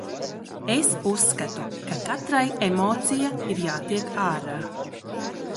Es uzskatu, ka katrai emocija ir jātiek ārā.